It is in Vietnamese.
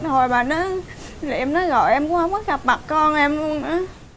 hồi bà nó em nói gọi em cũng không có gặp mặt con em nữa